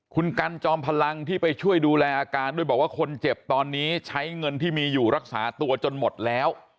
คุณกันจอมพลังที่ไปช่วยดูแลอาการด้วยบอกว่าคนเจ็บตอนนี้ใช้เงินที่มีอยู่รักษาตัวจนหมดแล้ว